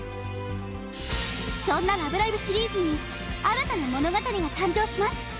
そんな「ラブライブ！」シリーズに新たな物語が誕生します！